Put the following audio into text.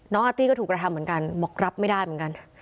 อาร์ตี้ก็ถูกกระทำเหมือนกันบอกรับไม่ได้เหมือนกัน